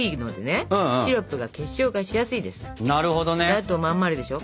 あとまん丸でしょ？